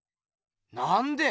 なんで？